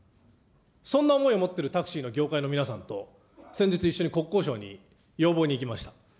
そんな思いを持ってるタクシーの業界の皆さんと、先日一緒に国交省に要望に行きました。